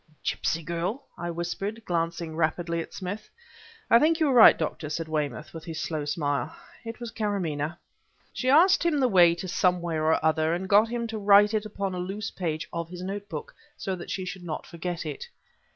"Gipsy girl!" I whispered, glancing rapidly at Smith. "I think you are right, Doctor," said Weymouth with his slow smile; "it was Karamaneh. She asked him the way to somewhere or other and got him to write it upon a loose page of his notebook, so that she should not forget it."